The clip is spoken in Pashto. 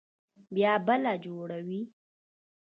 بيا بله جوړوي.